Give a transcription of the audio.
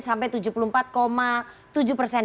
sampai tujuh puluh empat tujuh persen